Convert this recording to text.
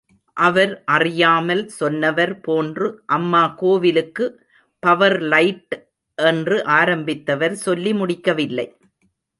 அவர் அறியாமல் சொன்னவர் போன்று அம்மா கோவிலுக்கு பவர்லைட் என்று ஆரம்பித்தவர், சொல்லி முடிக்கவில்லை.